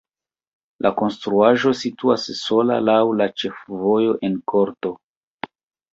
La konstruaĵo situas sola laŭ la ĉefvojo en korto.